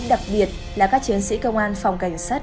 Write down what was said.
đặc biệt là các chiến sĩ công an phòng cảnh sát